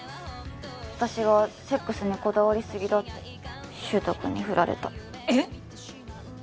私がセックスにこだわりすぎだって柊人君にフラれたえっ！？